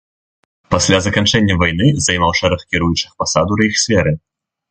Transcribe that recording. Пасля заканчэння вайны займаў шэраг кіруючых пасад у рэйхсверы.